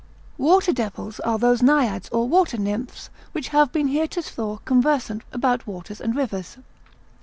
Water devils are those Naiads or water nymphs which have been heretofore conversant about waters and rivers.